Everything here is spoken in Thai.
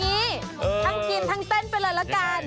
เอาอย่างนี้ทั้งกินทั้งเต้นไปเลยละกัน